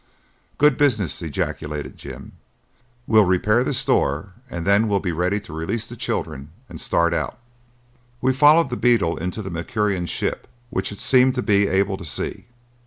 "Good business!" ejaculated Jim. "We'll repair this door; then we'll be ready to release the children and start out." We followed the beetle into the Mercurian ship, which it seemed to be able to see.